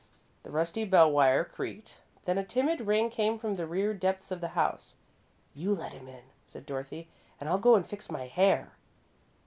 The rusty bell wire creaked, then a timid ring came from the rear depths of the house. "You let him in," said Dorothy, "and I'll go and fix my hair."